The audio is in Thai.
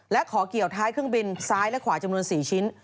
และขอเกี่ยวท้ายเครื่องบินซ้ายและขวาจำนวน๔ชิ้น